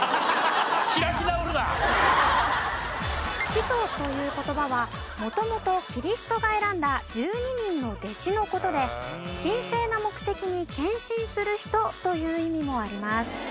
「使徒」という言葉は元々キリストが選んだ１２人の弟子の事で神聖な目的に献身する人という意味もあります。